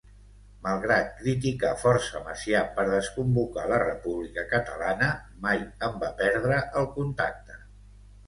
Malgrat criticar força Macià per desconvocar la República Catalana, mai en va perdre el contacte.